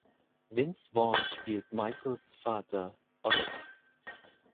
Vince Vaughn spielt Michaels Vater Oliver.